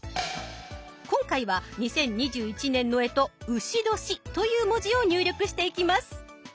今回は２０２１年の干支「丑年」という文字を入力していきます。